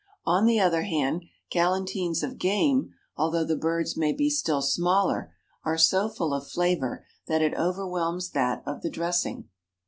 On the other hand, galantines of game, although the birds may be still smaller, are so full of flavor that it overwhelms that of the dressing.